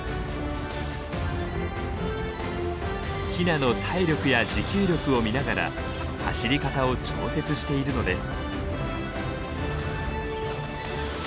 ヒナの体力や持久力を見ながら走り方を調節しているのです。